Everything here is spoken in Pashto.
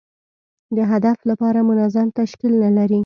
د هدف لپاره منظم تشکیل نه لري.